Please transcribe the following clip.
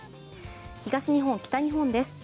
東日本、北日本です。